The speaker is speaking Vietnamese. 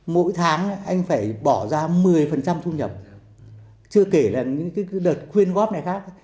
mỗi tháng anh phải bỏ ra một mươi thu nhập chưa kể là những đợt quyên góp này khác